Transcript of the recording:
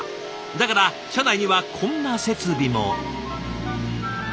だから社内にはこんな設備も。